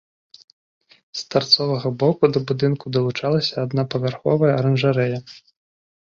З тарцовага боку да будынку далучалася аднапавярховая аранжарэя.